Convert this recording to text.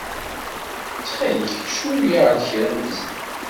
Ttxil-k, cnu-aɣ-d kra n tezlit.